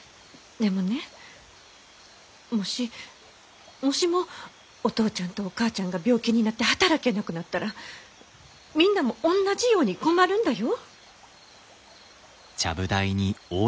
でもねもしもしもお父ちゃんとお母ちゃんが病気になって働けなくなったらみんなも同じように困るんだよ。